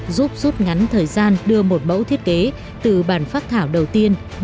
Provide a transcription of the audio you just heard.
giúp giúp ngắn thời gian đưa một mẫu thiết kế từ bản pháp thảo đầu tiên